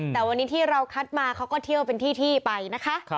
แต่วันนี้ที่เราคัดมาเขาก็เที่ยวเป็นที่ไปนะคะ